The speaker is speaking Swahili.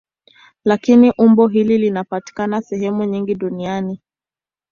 Lakini umbo hili linapatikana sehemu nyingi duniani.